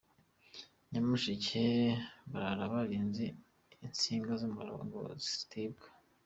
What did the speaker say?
Nyamashek Barara barinze intsinga z’umuriro ngo zitibwa